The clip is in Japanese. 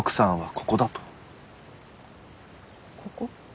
「ここ」？